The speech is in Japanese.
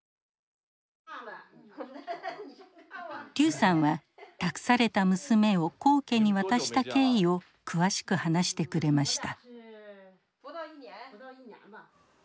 劉さんは託された娘を黄家に渡した経緯を詳しく話してくれました。